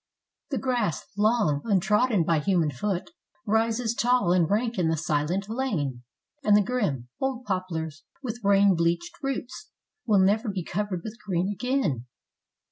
The grass, long untrodden by human foot, Rises tall and rank in the silent lane, And the grim, old poplars, with rain bleached roots, Will never be covered with green again.